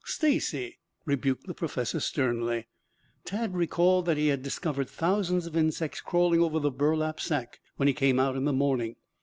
"Stacy!" rebuked the professor sternly. Tad recalled that he had discovered thousands of insects crawling over the burlap sack when he came out in the morning.